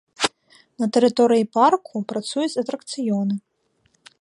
На тэрыторыі парку працуюць атракцыёны.